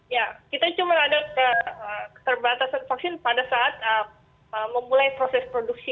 ya kita cuma ada keterbatasan vaksin pada saat memulai proses produksi